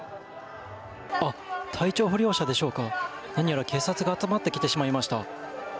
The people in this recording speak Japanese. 体調不良者でしょうか何やら警察が集まってきてしまいました。